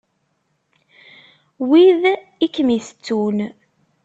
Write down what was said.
Wid i kem-itettun.